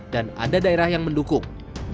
dan ada daerah yang mendukung